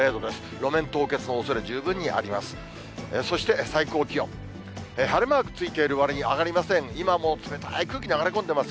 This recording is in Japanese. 路面凍結のおそれ、十分にあります。